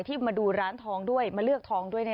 ที่มาดูร้านทองด้วยมาเลือกทองด้วย